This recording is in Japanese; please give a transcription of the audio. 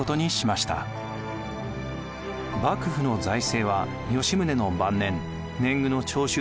幕府の財政は吉宗の晩年年貢の徴収